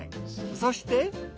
そして。